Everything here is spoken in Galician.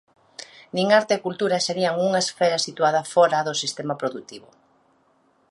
Nin arte e cultura serían unha esfera situada fóra do sistema produtivo.